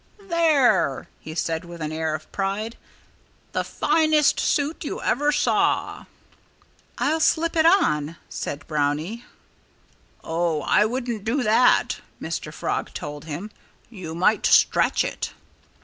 "There!" he said with an air of pride. "The finest suit you ever saw!" "I'll slip it on," said Brownie. "Oh! I wouldn't do that!" Mr. Frog told him. "You might stretch it."